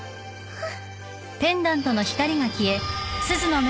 あっ。